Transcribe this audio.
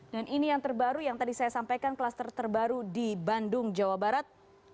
dan ini yang terbaru yang tadi saya sampaikan kluster terbaru di bandung jawa barat